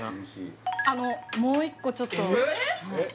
あのもう１個ちょっとえっ？